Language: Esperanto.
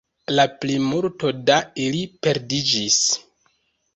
La plimulto da ili perdiĝis.